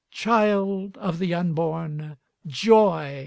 Child of the Unborn! joy!